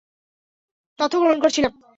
তথ্য গ্রহণ করছিলাম।